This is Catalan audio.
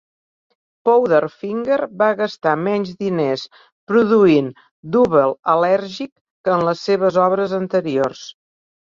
Powderfinger va gastar menys diners produint "Double Allergic" que en les seves obres anteriors.